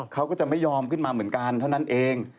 เขาก็จะไม่ยอมขึ้นมาเหมือนกันเท่านั้นเอง